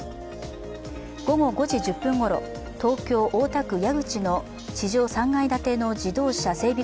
午後５時１０分ごろ、東京・大田区矢口の地上３階建ての自動車整備